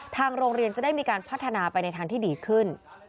ทางโรงเรียนจะได้มีการพัฒนาไปในทางที่ดีขึ้น